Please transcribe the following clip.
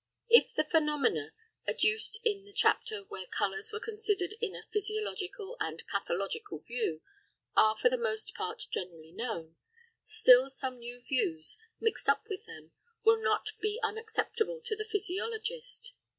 If the phenomena adduced in the chapter where colours were considered in a physiological and pathological view are for the most part generally known, still some new views, mixed up with them, will not be unacceptable to the physiologist.